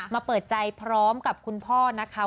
เปิดใจพร้อมกับคุณพ่อนะคะ